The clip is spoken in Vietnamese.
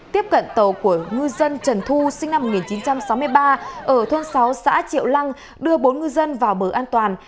tiếp cận tàu của ngư dân trần thu sinh năm một nghìn chín trăm sáu mươi ba ở thôn sáu xã triệu lăng đưa bốn ngư dân vào bờ an toàn